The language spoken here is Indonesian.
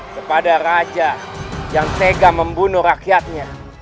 kepada raja yang tega membunuh rakyatnya